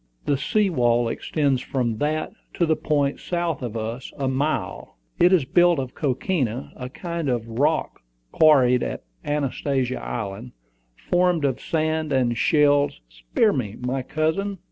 The sea wall extends from that to the point, south of us, a mile: it is built of coquina, a kind of rock quarried on Anastasia Island, formed of sand and shells " "Spare me, cousin!"